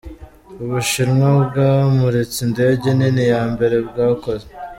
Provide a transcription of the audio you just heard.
Ubushinwa bwamuritse indege nini ya mbere bwakoze.